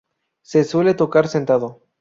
Se suele tocar sentado.